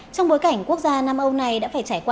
trong bối cảnh quốc gia nam âu này đã phải trải qua